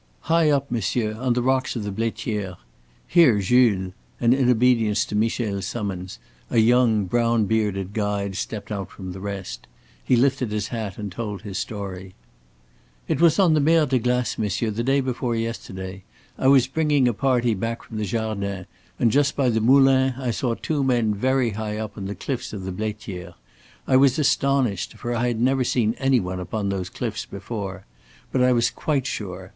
"High up, monsieur, on the rocks of the Blaitiere. Here, Jules"; and in obedience to Michel's summons, a young brown bearded guide stepped out from the rest. He lifted his hat and told his story: "It was on the Mer de Glace, monsieur, the day before yesterday. I was bringing a party back from the Jardin, and just by the Moulin I saw two men very high up on the cliffs of the Blaitiere. I was astonished, for I had never seen any one upon those cliffs before. But I was quite sure.